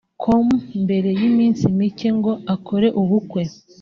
com mbere y'iminsi micye ngo akore ubukwe